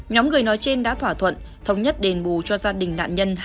nhóm người nói trên đã thỏa thuận thống nhất đền bù cho gia đình nạn nhân hai trăm năm mươi